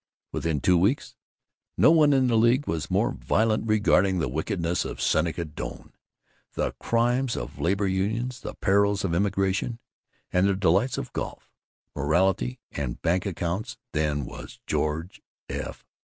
Within two weeks no one in the League was more violent regarding the wickedness of Seneca Doane, the crimes of labor unions, the perils of immigration, and the delights of golf, morality, and bank accounts than was George F.